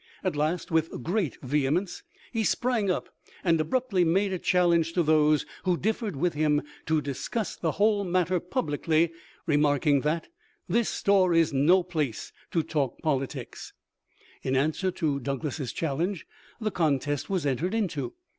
At last, with great vehemence, he sprang up and abruptly made a chal lenge to those who differed with him to discuss the whole matter publicly, remarking that, " This store is no place to talk politics." In answer to Doug las's challenge the contest was entered into.